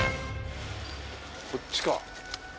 こっちか。